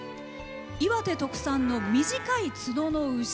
岩手特産の短い角の牛